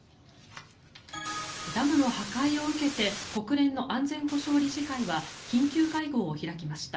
ダムの破壊を受けて国連の安全保障理事会は緊急会合を開きました。